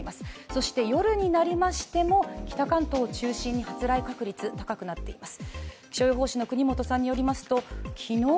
そして夜になりましても北関東を中心に発雷確率、高くなっています